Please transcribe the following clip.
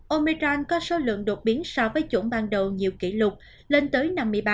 omedang có số lượng đột biến so với chủng ban đầu nhiều kỷ lục lên tới năm mươi ba